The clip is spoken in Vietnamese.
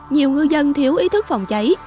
nhiều ngư dân thiếu ý thức phòng cháy